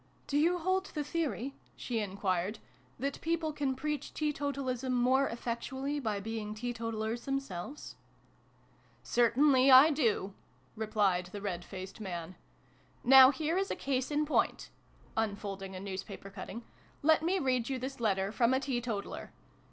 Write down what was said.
" Do you hold the theory," she enquired, " that people can preach teetotalism more effectually by be ing teetotalers themselves ?"" Certainly I do !" replied the red faced man. " Now, here is a case in point," unfolding a newspaper cutting :" let me read you this letter from a teetotaler.